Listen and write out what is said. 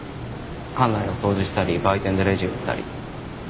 館内の掃除したり売店でレジ打ったり。